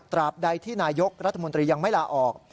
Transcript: บใดที่นายกรัฐมนตรียังไม่ลาออก